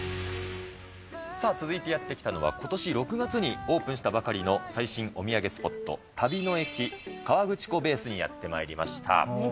さあ、続いてやって来たのは、ことし６月にオープンしたばかりの最新お土産スポット、旅の駅カワグチコベースにやってまいりました。